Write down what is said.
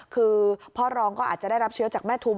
คือพ่อรองก็อาจจะได้รับเชื้อจากแม่ทุม